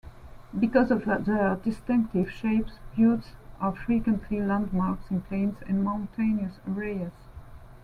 Because of their distinctive shapes, buttes are frequently landmarks in plains and mountainous areas.